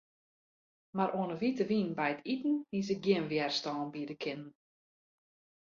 Mar oan 'e wite wyn by it iten hie se gjin wjerstân biede kinnen.